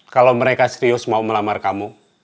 kalau mereka serius mau melamar kamu